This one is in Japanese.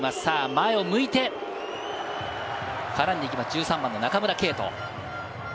前を向いて絡んでいきます、中村敬斗。